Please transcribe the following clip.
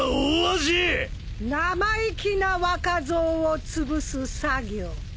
生意気な若造をつぶす作業